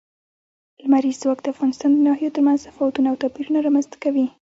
لمریز ځواک د افغانستان د ناحیو ترمنځ تفاوتونه او توپیرونه رامنځ ته کوي.